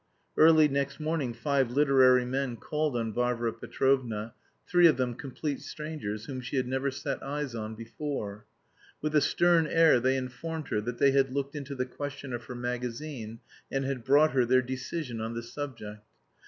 Early next morning five literary men called on Varvara Petrovna, three of them complete strangers, whom she had never set eyes on before. With a stern air they informed her that they had looked into the question of her magazine, and had brought her their decision on the subject.